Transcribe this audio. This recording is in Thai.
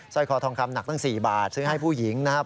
ร้อยคอทองคำหนักตั้ง๔บาทซื้อให้ผู้หญิงนะครับ